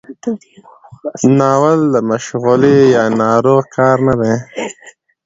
ناول د مشغلې یا ناروغ کار نه دی.